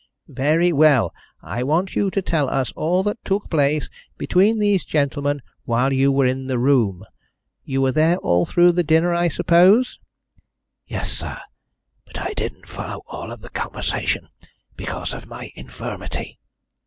"Very well. I want you to tell us all that took place between these gentlemen while you were in the room. You were there all through the dinner, I suppose?" "Yes, sir, but I didn't follow all of the conversation because of my infirmity."